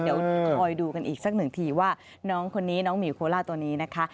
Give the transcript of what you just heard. เดี๋ยวคอยดูกันอีกสักหนึ่งทีว่าน้องคนนี้น้องหมีโคล่าตัวนี้นะคะ